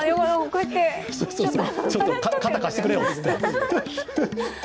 ちょっと肩貸してくれよって。